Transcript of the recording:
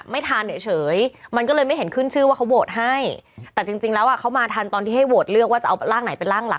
ไม่ทันเฉยมันก็เลยไม่เห็นขึ้นชื่อว่าเขาโหวตให้แต่จริงแล้วเขามาทันตอนที่ให้โหวตเลือกว่าจะเอาร่างไหนเป็นร่างหลัก